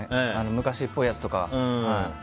昔っぽいやつとか。